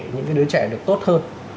những cái đứa trẻ được tốt hơn